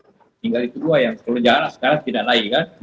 tinggal itu dua yang kalau jalan sekarang tidak naik kan